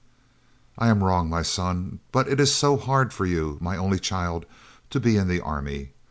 "I am wrong, my son; but it is so hard for you, my only child, to be in the army.